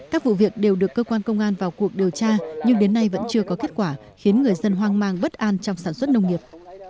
các vụ việc đều được cơ quan công an vào cuộc điều tra nhưng đến nay vẫn chưa có kết quả khiến người dân hoang mang bất an trong sản xuất nông nghiệp